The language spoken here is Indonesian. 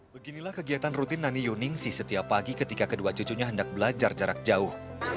beginilah kegiatan rutin nani yuningsi setiap pagi ketika kedua cucunya hendak belajar jarak jauh